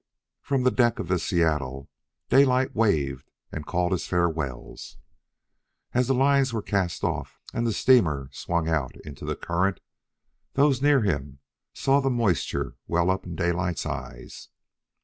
From the deck of the Seattle, Daylight waved and called his farewells. As the lines were cast off and the steamer swung out into the current, those near him saw the moisture well up in Daylight's eyes.